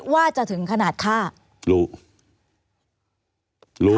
ว่าจะต้องฆ่าแอม